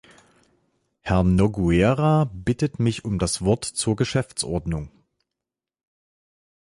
Herr Nogueira bittet mich um das Wort zur Geschäftsordnung.